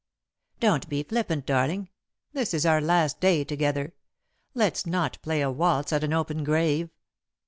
"Don't be flippant, darling. This is our last day together. Let's not play a waltz at an open grave."